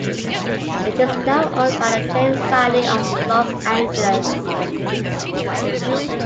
It is now owned by the Jain Society of Los Angeles.